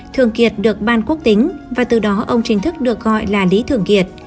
thường kiệt được ban quốc tính và từ đó ông chính thức được gọi là lý thường kiệt